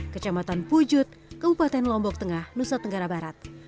kecamatan pujut kabupaten lombok tengah nusa tenggara barat